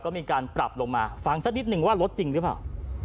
ก็มีการปรับลงมาฟังสักนิดนึงว่าลดจริงหรือเปล่า